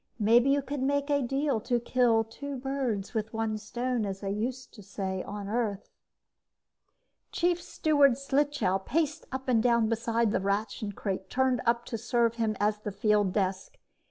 Maybe you could make a deal to kill two birds with one stone, as they used to say on Earth...." Chief Steward Slichow paced up and down beside the ration crate turned up to serve him as a field desk.